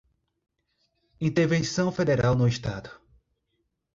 intervenção federal no Estado